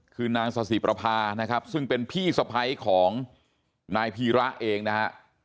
คือนางสถิประพานะครับซึ่งเป็นพี่สะพ้ายของนายพีระเองนะฮะ